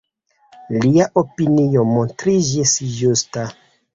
Lia opinio montriĝis ĝusta.